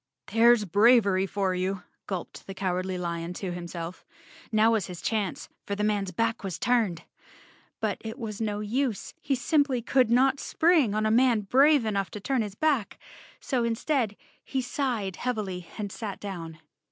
"There's bravery for you," gulped the Cowardly Lion to himself. Now vias his chance, for the man's back was turned. But it was no use; he simply could not spring on a man brave enough to turn his back, so instead he sighed heavily and sat down.